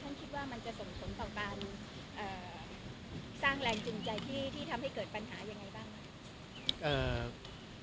สร้างแรงจึงใจที่ทำให้เกิดปัญหาอย่างไรบ้าง